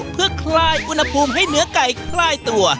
เพื่อคลายอุณหภูมิให้เนื้อไก่ใกล้ตัว